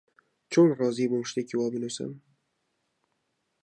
چۆن ڕازی بووم شتێکی وا بنووسم؟